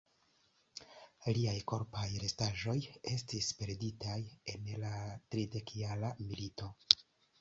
Liaj korpaj restaĵoj estis perditaj en la Tridekjara Milito.